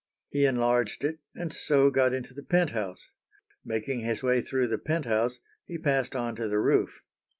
He enlarged it and so got into the penthouse. Making his way through the penthouse, he passed on to the roof.